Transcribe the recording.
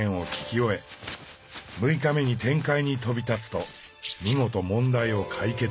６日目に天界に飛び立つと見事問題を解決。